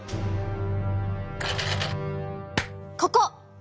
ここ。